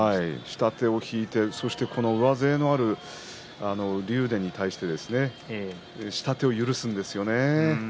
下手を引いてこの上背のある竜電に対して下手を許すんですよね。